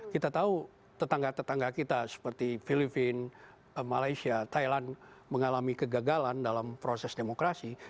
kita tahu tetangga tetangga kita seperti filipina malaysia thailand mengalami kegagalan dalam proses demokrasi